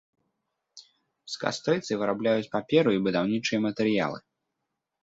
З кастрыцы вырабляюць паперу і будаўнічыя матэрыялы.